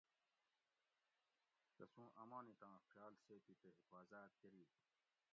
تسوں امانتاں خیال سیتی تے حفاظاۤت کۤری